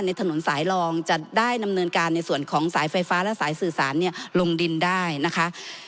ถนนสายรองจะได้ดำเนินการในส่วนของสายไฟฟ้าและสายสื่อสารเนี่ยลงดินได้นะคะ